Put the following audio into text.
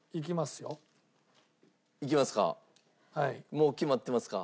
もう決まってますか？